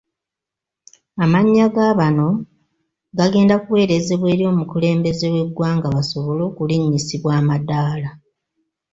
Amannya ga bano gagenda kuweerezebwa eri omukulembeze w'eggwanga basobole okulinnyisibwa amadaala.